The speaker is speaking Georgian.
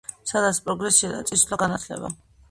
სადაც პროგრესია და წინსვლა, განათლება.